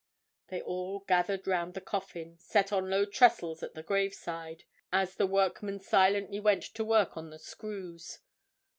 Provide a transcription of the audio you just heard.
They all gathered round the coffin, set on low trestles at the graveside, as the workmen silently went to work on the screws.